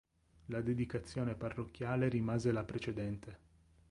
La dedicazione parrocchiale rimase la precedente.